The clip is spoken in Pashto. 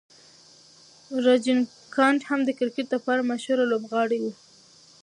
راجنیکانټ هم د کرکټ د پاره مشهوره لوبغاړی و.